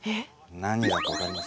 何だか分かります？